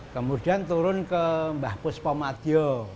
kemudian turun ke mbah puspomadjo